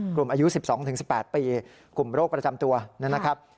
กลุ่มอายุ๑๒๑๘ปีกลุ่มโรคประจำตัวนะครับ